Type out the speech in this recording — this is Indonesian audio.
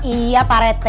iya pak rete